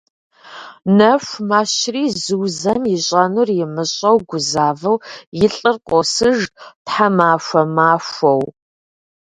Нэху мэщри, Зузэм ищӏэнур имыщӏэу гузавэу, и лӏыр къосыж тхьэмахуэ махуэу.